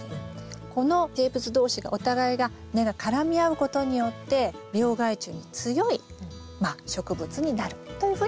この微生物同士がお互いが根が絡み合うことによって病害虫に強い植物になるというふうにいわれています。